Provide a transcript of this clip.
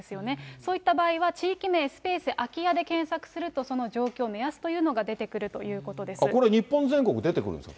そういった場合は、地域名スペース空き家で検索すると、その状況、目安というのが出これ、日本全国出てくるんですか？